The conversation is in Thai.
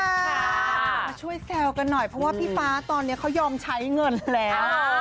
มาช่วยแซวกันหน่อยเพราะว่าพี่ฟ้าตอนนี้เขายอมใช้เงินแล้ว